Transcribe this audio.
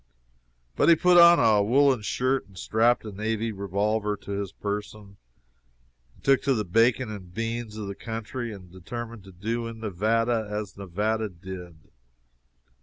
But he put on a woollen shirt and strapped a navy revolver to his person, took to the bacon and beans of the country, and determined to do in Nevada as Nevada did.